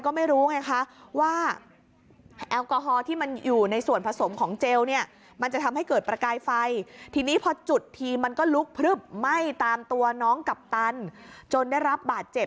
ก็ลุกเผื้บไหม้ตามตัวน้องกัปตันจนได้รับบาดเจ็บ